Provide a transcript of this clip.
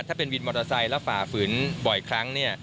ถ้าเป็นวินมอเตอร์ไซค์แล้วฝ่าฝืนบ่อยครั้ง